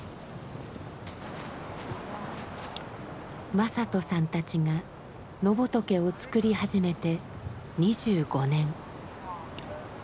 正人さんたちが野仏をつくり始めて２５年。